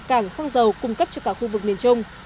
cảng xăng dầu cung cấp cho cả khu vực miền trung